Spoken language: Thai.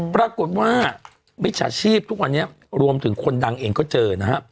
ปรากฏว่ามิจฉาชีพทุกวันนี้รวมถึงคนดังเองก็เจอนะฮะ